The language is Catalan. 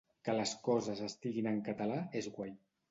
Que les coses estiguin en català és guai.